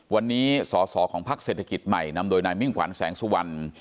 วันนี้สอสอของพักเศรษฐกิจใหม่นำโดยนายมิ่งขวัญแสงสุวรรณ